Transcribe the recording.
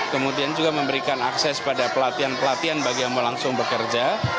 kemudian juga memberikan akses pada pelatihan pelatihan bagi yang mau langsung bekerja